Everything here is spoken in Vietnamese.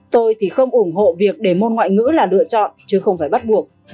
tôi thì không ủng hộ việc để môn ngoại ngữ là lựa chọn chứ không phải bắt buộc